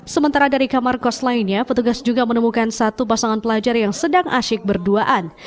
sementara dari kamar kos lainnya petugas juga menemukan satu pasangan pelajar yang sedang asyik berduaan